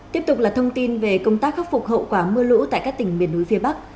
tiếp tục là thông tin về công tác khắc phục hậu quả mưa lũ tại các tỉnh miền núi phía bắc